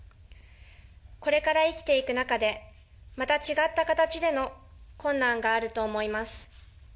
これから生きていく中で、また違った形での困難があると思います。